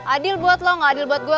adil buat lo gak adil buat gue